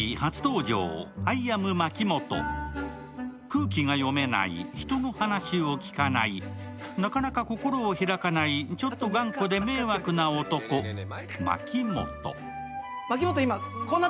空気が読めない、人の話を聞かない、なかなか心を開かない、ちょっと頑固で迷惑な男、牧本。